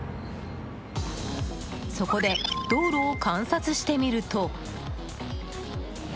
そこで道路を観察してみると。